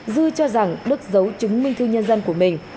dư cho rằng đức giấu chứng minh thư nhân dân của mình